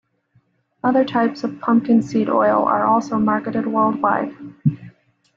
Other types of pumpkin seed oil are also marketed worldwide.